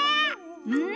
うん！